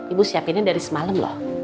ibu siapinnya dari semalam loh